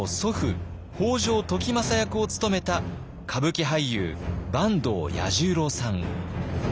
北条時政役を務めた歌舞伎俳優坂東彌十郎さん。